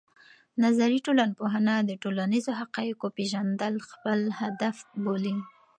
نظري ټولنپوهنه د ټولنیزو حقایقو پېژندل خپل هدف بولي.